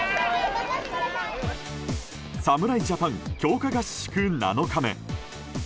侍ジャパン強化合宿７日目。